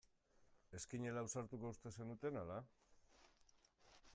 Ez ginela ausartuko uste zenuten ala?